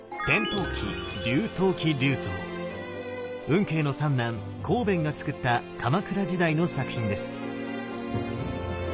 運慶の三男康弁がつくった鎌倉時代の作品です。